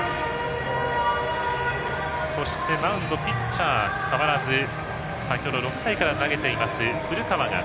そして、なんとピッチャーは代わらず先ほど６回から投げている古川が